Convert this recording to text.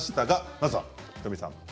まず仁美さん。